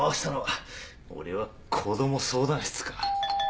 俺は子供相談室か！？